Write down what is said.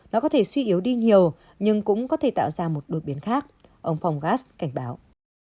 nó có thể suy yếu đi nhiều nhưng cũng có thể tạo ra một đột biến khác ông fonggas cảnh báo